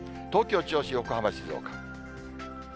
東京、銚子、横浜、静岡。